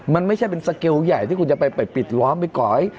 มันไม่ใช่เป็นสเกลใหญ่ที่คุณจะไปปิดล้อมไปก่อให้